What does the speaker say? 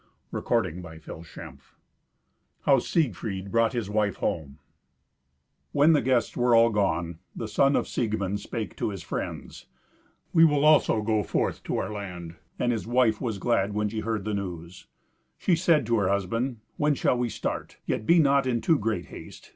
Eleventh Adventure How Siegfried Brought his Wife Home When the guests were all gone, the son of Siegmund spake to his friends, "We will also go forth to our land." And his wife was glad when she heard the news. She said to her husband, "When shall we start? Yet be not in too great haste.